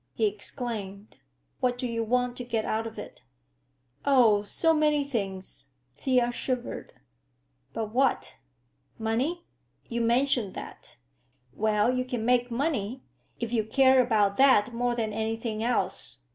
he exclaimed. "What do you want to get out of it?" "Oh—so many things!" Thea shivered. "But what? Money? You mentioned that. Well, you can make money, if you care about that more than anything else."